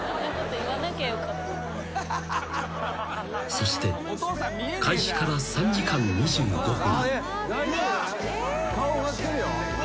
［そして開始から３時間２５分］